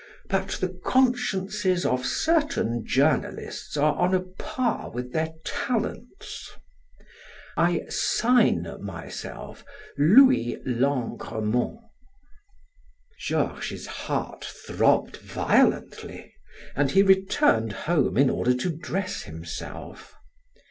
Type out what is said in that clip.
But the consciences of certain journalists are on a par with their talents." "I sign myself, Louis Langremont." Georges's heart throbbed violently, and he returned home in order to dress himself.